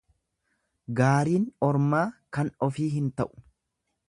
Gaariin ormaa kan ofii hin ta'u.